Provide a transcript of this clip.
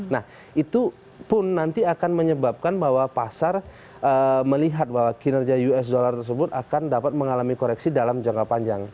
nah itu pun nanti akan menyebabkan bahwa pasar melihat bahwa kinerja us dollar tersebut akan dapat mengalami koreksi dalam jangka panjang